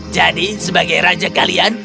jadi sebagai raja kalian